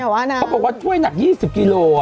เขาบอกว่าช่วยหนัก๒๐กิโล